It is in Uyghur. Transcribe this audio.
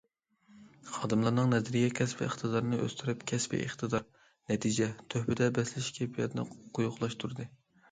خادىملارنىڭ نەزەرىيە، كەسپىي ئىقتىدارنى ئۆستۈرۈپ، كەسپىي ئىقتىدار، نەتىجە، تۆھپىدە بەسلىشىش كەيپىياتىنى قويۇقلاشتۇردى.